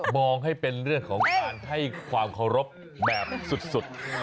มองให้เป็นเรื่องของการให้ความเคารพแบบสุด